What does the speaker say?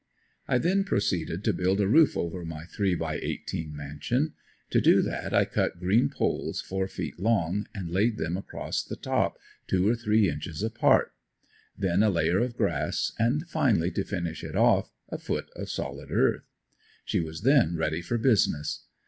I then proceeded to build a roof over my 3 × 18 mansion. To do that I cut green poles four feet long and laid them across the top, two or three inches apart. Then a layer of grass and finally, to finish it off, a foot of solid earth. She was then ready for business.